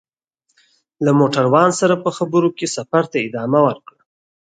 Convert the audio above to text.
له موټروان سره په خبرو کې سفر ته ادامه ورکړه.